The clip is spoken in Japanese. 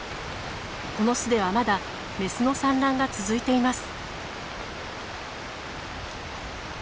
この巣ではまだメスの産卵が続いています。